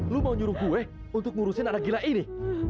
lu mau nyuruh kue untuk ngurusin anak gila ini